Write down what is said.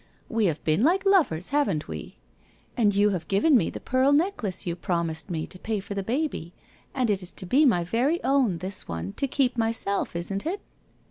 We have been like lovers, haven't we? And you have given me the pearl necklace you promised me, to pay for the baby — and it is to be my very own, this one, to keep myself, isn't it